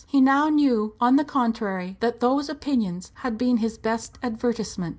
He now knew, on the contrary, that those opinions had been his best advertisement.